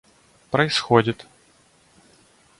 происходит